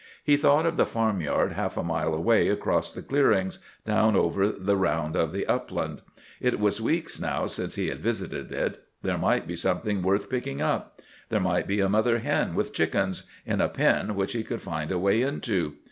He thought of the farmyard, half a mile away across the clearings, down over the round of the upland. It was weeks now since he had visited it. There might be something worth picking up. There might be a mother hen with chickens, in a pen which he could find a way into.